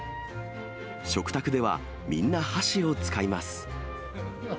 食卓では、みんな箸を使います。